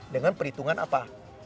dengan perhitungan apa